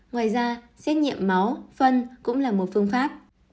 ngoài ra xét nghiệm máu phân cũng là một phương pháp